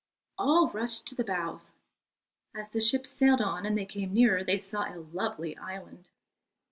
All rushed to the bows. As the ship sailed on and they came nearer, they saw a lovely island.